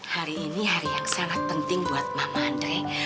hari ini hari yang sangat penting buat mama andre